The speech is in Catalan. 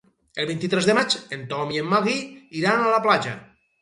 El vint-i-tres de maig en Tom i en Magí iran a la platja.